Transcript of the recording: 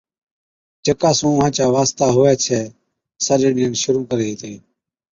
جڪا سُون اُونھان چا واسطا ھُوي ڇَي، سڏ ڏيئڻ شرُوع ڪري ھِتي۔